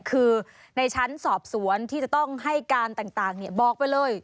คือในชั้นสอบสวนที่จะต้องให้การต่างบอกไปเลย